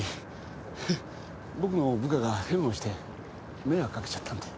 僕の部下がヘマをして迷惑かけちゃったんで。